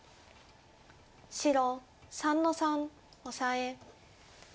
白３の三オサエ。